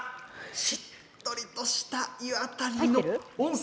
しっとりとした湯あたりの温泉。